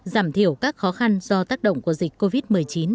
giảm thiểu các khó khăn do tác động của dịch covid một mươi chín